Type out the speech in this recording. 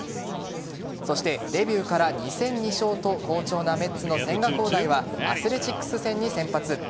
そしてデビューから２戦２勝と好調なメッツの千賀滉大はアスレチックス戦に先発。